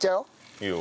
いいよ。